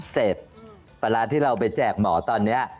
เสร็จปลาร้าที่เราไปแจกหมอตอนนี้